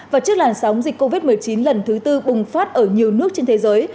và trước làn sóng dịch covid một mươi chín lần thứ tư bùng phát ở nhiều nước trên thế giới